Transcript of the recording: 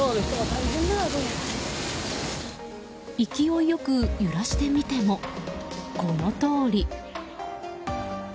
勢いよく揺らしてみてもこのとおり。